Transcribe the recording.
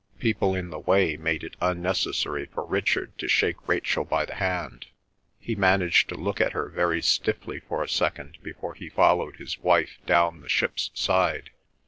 People in the way made it unnecessary for Richard to shake Rachel by the hand; he managed to look at her very stiffly for a second before he followed his wife down the ship's side.